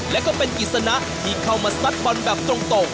และก็เป็นกิจสนะที่เข้ามาซัดบอลแบบตรง